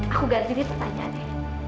aku ganti nih pertanyaan ya